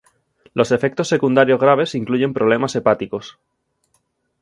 Los efectos secundarios graves incluyen problemas hepáticos.